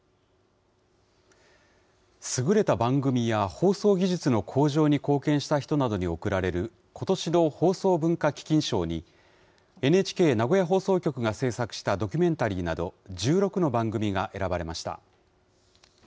優れた番組や、放送技術の向上に貢献した人などに贈られる、ことしの放送文化基金賞に、ＮＨＫ名古屋放送局が制作したドキュメンタリーなど、１６の番組が選ばれました。